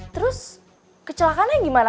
terus kecelakaannya gimana